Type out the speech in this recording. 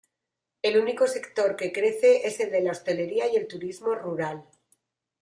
El único sector que crece es el de la hostelería y el turismo rural.